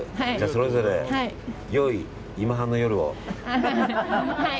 それぞれ、良い今半の夜を。